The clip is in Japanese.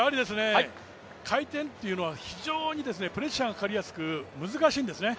回転というのは非常にプレッシャーがかかりやすく難しいんですね。